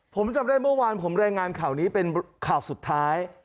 ผมจำได้เมื่อวานผมรายงานข่าวนี้เป็นข่าวสุดท้าย